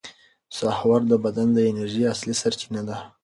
سحور د بدن د انرژۍ اصلي سرچینه ده.